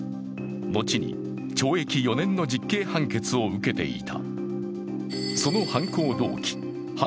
のちに懲役４年の実刑判決を受けていた。